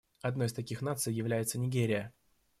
Одной из таких наций является Нигерия.